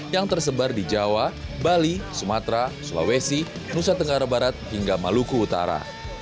yang tersebar di jawa bali sumatera sulawesi nusa tenggara barat hingga maluku utara